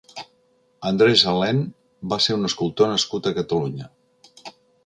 Andrés Alén va ser un escultor nascut a Catalunya.